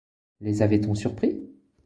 Les avait-on surpris ?